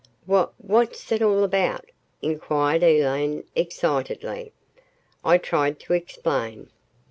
"Wh what's it all about?" inquired Elaine excitedly. I tried to explain.